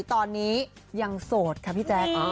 ตอนนี้ยังโสดค่ะพี่แจ๊ค